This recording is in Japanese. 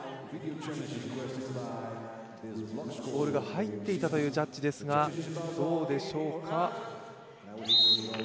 ボールが入っていたというジャッジですが、どうでしょうか？